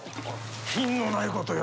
品のないことよ。